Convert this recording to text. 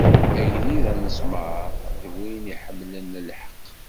Agellid anezmar, d win iḥemmlen lḥeqq.